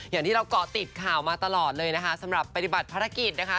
อย่างที่เราเกาะติดข่าวมาตลอดเลยนะคะสำหรับปฏิบัติภารกิจนะคะ